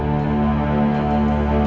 aku mau berhenti